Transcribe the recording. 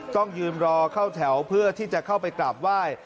ต้องยืนรอเข้าแถวเพื่อที่จะเข้าไปกราบไหว้